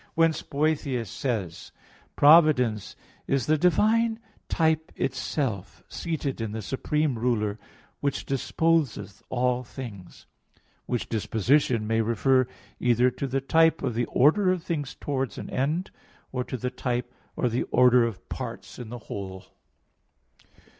Whence Boethius says (De Consol. iv, 6) that "Providence is the divine type itself, seated in the Supreme Ruler; which disposeth all things": which disposition may refer either to the type of the order of things towards an end, or to the type of the order of parts in the whole.